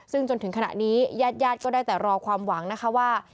ซึ่งจนถึงขณะนี้ญาติญาติก็ได้แต่รอความหวังนะคะว่า